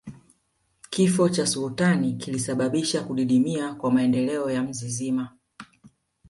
Kifo cha sultani kilisababisha kudidimia kwa maendeleo ya mzizima